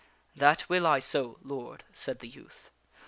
" That will I so, Lord," said the youth.